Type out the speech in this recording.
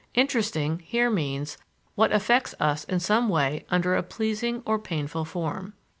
"Interesting" here means what affects us in some way under a pleasing or painful form.